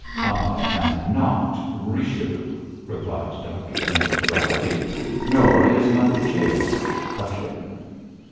'I am not Richelieu,' replied Dr Pendle, drily, 'nor is Mother Jael a kitten.'